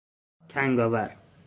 کنگاور